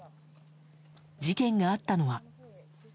事件があったのは。